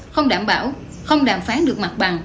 không đảm bảo không đàm phán được mặt bằng